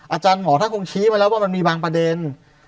อาจารย์หมอท่านคงชี้ไปแล้วว่ามันมีบางประเด็น